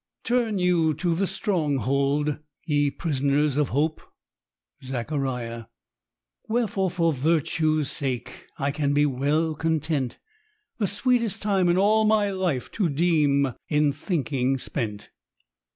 ' Tom yon to the strong hold, ye prisoners of h(^.'* Zscbariah. Wherefore, for yirtoe's sake I can he well content The sweetest time in all my lifd To deem in thinking spent."